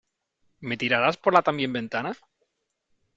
¿ Me tirarás por la también ventana ?